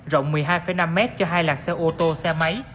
rộng một mươi hai năm m cho hai làng xe ô tô xe máy